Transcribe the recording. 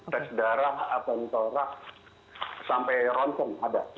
tes darah atau torak sampai rontong ada